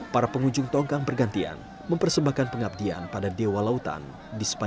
sebelumnya pemerintahan borota